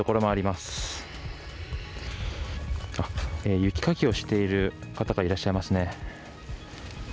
雪かきをしている方がいらっしゃいますね。